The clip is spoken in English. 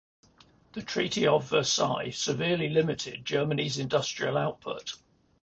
The Treaty of Versailles severely limited Germany's industrial output.